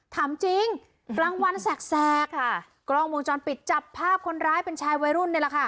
ถามจริงกลางวันแสกค่ะกล้องวงจรปิดจับภาพคนร้ายเป็นชายวัยรุ่นนี่แหละค่ะ